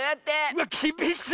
うわっきびしっ！